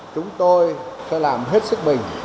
chúng tôi sẽ làm hết sức bình